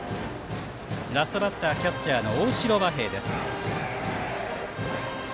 ラストバッターキャッチャーの大城和平です。